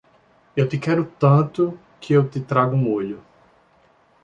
Eu te quero tanto, que eu te trago um olho.